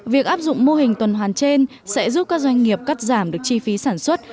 việc áp dụng mô hình tuần hoàn trên sẽ giúp các doanh nghiệp cắt giảm được chi phí sản xuất